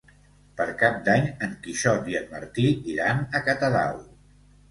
Per Cap d'Any en Quixot i en Martí iran a Catadau.